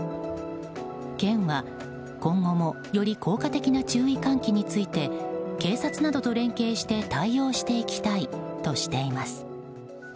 県は今後もより効果的な注意喚起について警察などと連携して対応していきたいとしています。